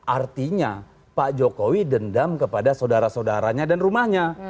artinya pak jokowi dendam kepada saudara saudaranya dan rumahnya